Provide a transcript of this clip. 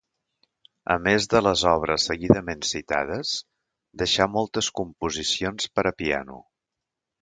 A més de les obres seguidament citades deixà moltes composicions per a piano.